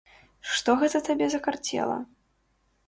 Што гэта табе закарцела?